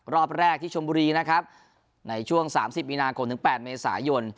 รอบแรกที่ชมบุรีนะครับในช่วง๓๐มีนาคมถึง๘เมษายน